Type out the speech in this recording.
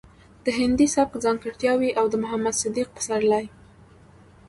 د هندي سبک ځانګړټياوې او د محمد صديق پسرلي